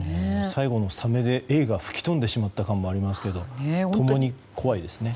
最後のサメでエイが吹き飛んでしまった感もありますが共に怖いですね。